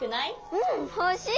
うんほしい！